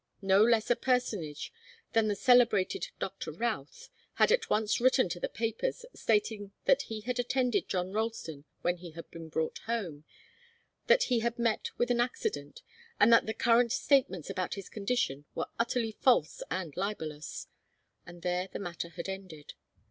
No less a personage than the celebrated Doctor Routh had at once written to the papers, stating that he had attended John Ralston when he had been brought home, that he had met with an accident, and that the current statements about his condition were utterly false and libellous. And there the matter had ended.